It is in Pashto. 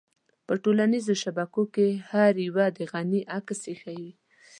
په ټولنيزو شبکو کې هر يوه د غني عکس اېښی وي.